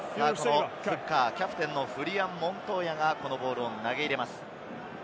キャプテンはフリアン・モントーヤがボールを投げ入れます。